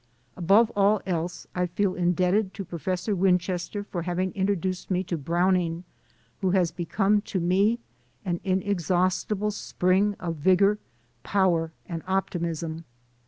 Above all else, I feel indebted to Professor Winchester for having introduced me to Browning, who has become to me an inexhaustible spring of vigor, power and optimism.